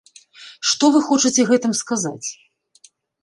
Што вы хочаце гэтым сказаць?